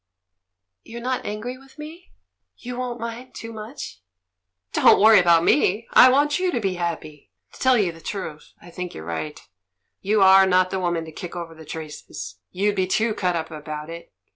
"You're not angry with me ? You won't mind too much?" "Don't worry about me — I want you to be happy. To tell you. the truth, I think you're right — you are not the woman to kick over the traces, you'd be too cut up about it.